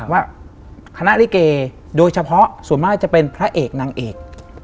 ว่าคณะลิเกโดยเฉพาะส่วนมากจะเป็นพระเอกนางเอก